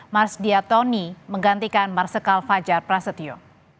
mars dia tony menggantikan marsikal fajar prasetyo